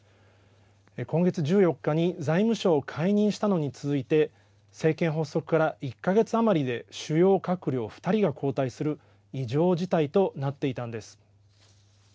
今月１４日に財務相を解任したのに続いて政権発足から１か月余りで主要閣僚２人が交代する異常事態となっていたんです。